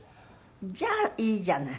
じゃあいいじゃない。